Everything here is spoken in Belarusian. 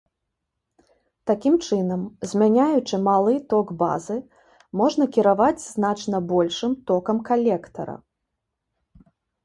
Такім чынам, змяняючы малы ток базы, можна кіраваць значна большым токам калектара.